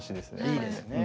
いいですよね